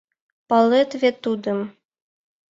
Палет вет тудым?